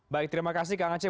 baik terima kasih kang aceh